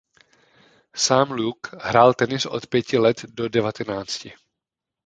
Sám Luke hrál tenis od pěti let do devatenácti.